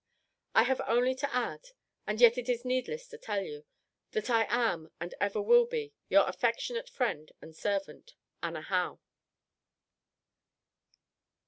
I have only to add (and yet it is needless to tell you) that I am, and will ever be, Your affectionate friend and servant, ANNA HOWE.